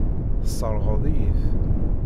Tesseṛɣeḍ-iyi-t.